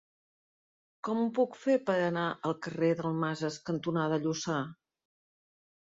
Com ho puc fer per anar al carrer Dalmases cantonada Lluçà?